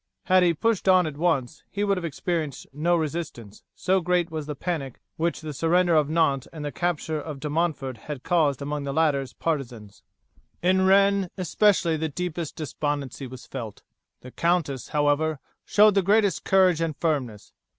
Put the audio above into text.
Had he pushed on at once he would have experienced no resistance, so great was the panic which the surrender of Nantes and the capture of De Montford had caused among the latter's partisans. "In Rennes, especially, the deepest despondency was felt. The countess, however, showed the greatest courage and firmness.